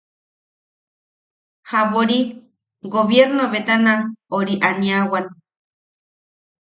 Jabori gobiernobetana ori aniawan.